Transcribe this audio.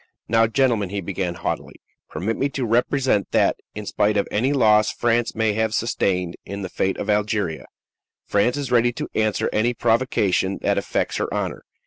"Now, gentlemen," he began haughtily, "permit me to represent that, in spite of any loss France may have sustained in the fate of Algeria, France is ready to answer any provocation that affects her honor.